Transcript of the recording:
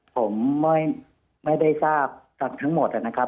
ผมไม่ได้ทราบกันทั้งหมดนะครับ